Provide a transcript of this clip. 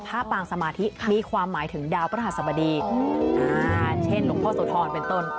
พระปางสมาธิมีความหมายถึงดาวพระศรรษฐ์อ๋อเช่นหลวงพ่อสุธรเป็นต้น